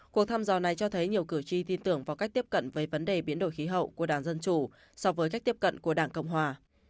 cuộc thăm dò này cho thấy nhiều cử tri tin tưởng vào cách tiếp cận với vấn đề biến đổi khí hậu của đảng dân chủ so với cách tiếp cận của đảng cộng hòa